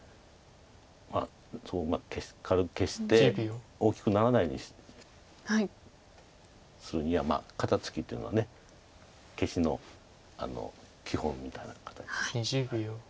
まあ一応軽く消して大きくならないようにするには肩ツキっていうのが消しの基本みたいな形。